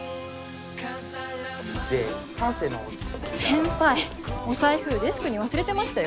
先輩お財布デスクに忘れてましたよ。